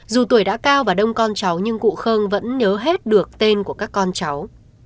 dù tuổi đã cao và đông con cháu nhưng cụ khương vẫn nhớ hết được tên của các con cháu